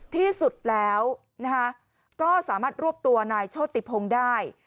ที่สุดแล้วก็สามารถรวบตัวนายโชติพงศ์ได้